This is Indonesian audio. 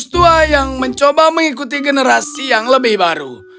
aku adalah seorang tua yang mencoba mengikuti generasi yang lebih baru